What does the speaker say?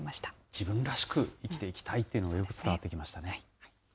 自分らしく生きていきたいというのがよく伝わってきましたね。